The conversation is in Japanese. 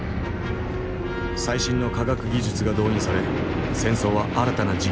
最新の科学技術が動員され戦争は新たな次元に突入した。